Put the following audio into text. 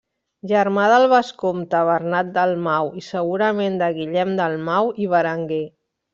Germà del vescomte Bernat Dalmau i segurament de Guillem Dalmau i Berenguer.